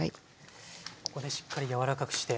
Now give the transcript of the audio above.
ここでしっかり柔らかくして。